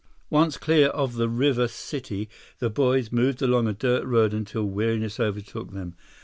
Once clear of the river city, the boys moved along a dirt road until weariness overtook them.